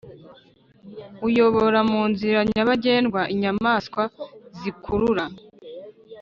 uyobora mu nzira nyabagendwa inyamaswa zikurura